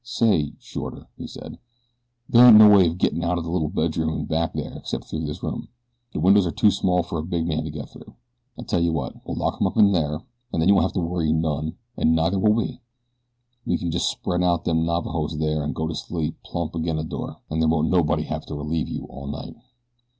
"Say, Shorter," he said, "they ain't no way of gettin' out of the little bedroom in back there except through this room. The windows are too small fer a big man to get through. I'll tell you what, we'll lock him up in there an' then you won't hev to worry none an' neither will we. You can jest spread out them Navajos there and go to sleep right plump ag'in the door, an' there won't nobody hev to relieve you all night."